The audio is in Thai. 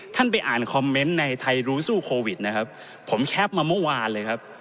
ไปอ่านคอมเมนต์ในไทยรู้สู้โควิดนะครับผมแคปมาเมื่อวานเลยครับ